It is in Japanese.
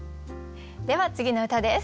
では次の歌です。